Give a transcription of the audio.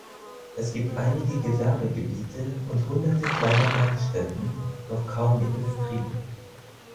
Es gibt einige Gewerbegebiete und hunderte kleiner Werkstätten, doch kaum Industrie.